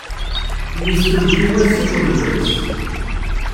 Yestewtiw-as iḍ d wass.